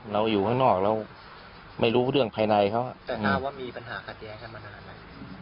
อยู่ข้างนอกเราไม่รู้เรื่องภายในเขาแต่ทราบว่ามีปัญหาขัดแย้งกันมานานไหม